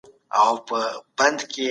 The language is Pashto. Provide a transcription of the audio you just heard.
د شیدو سره کلچه مه خورئ.